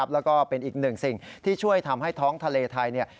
แล้วก็เป็นอีกหนึ่งสิ่งที่ช่วยทำให้ท้องทะเลไทย